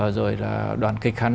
rồi là đoàn kịch hà nội